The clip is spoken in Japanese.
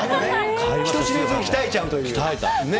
人知れず鍛えちゃうという、ね。